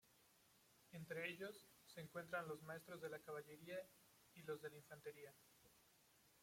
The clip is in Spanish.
Entre ellos, se encuentran los maestros de la caballería y los de la infantería.